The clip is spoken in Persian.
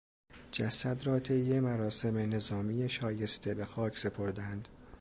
جسد را طی مراسم نظامی شایسته به خاک سپردند.